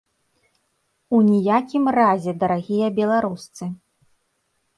У ніякім разе, дарагія беларусцы!